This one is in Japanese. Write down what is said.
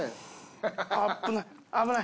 危ない危ない！